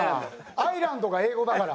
「アイランド」が英語だから。